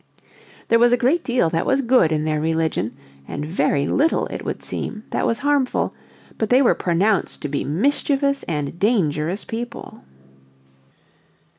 There was a great deal that was good in their religion and very little, it would seem, that was harmful, but they were pronounced to be "mischievous and dangerous people."